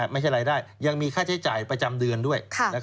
ไม่ใช่รายได้ยังมีค่าใช้จ่ายประจำเดือนด้วย